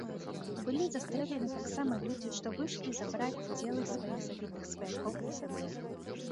Былі застрэлены таксама людзі, што выйшлі забраць целы сваіх забітых сваякоў і сяброў.